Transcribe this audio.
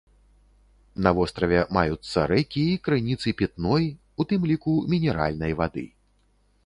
На востраве маюцца рэкі і крыніцы пітной, у тым ліку мінеральнай вады.